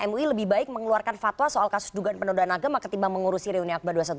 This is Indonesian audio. mui lebih baik mengeluarkan fatwa soal kasus dugaan penodaan agama ketimbang mengurusi reuni akbar dua ratus dua belas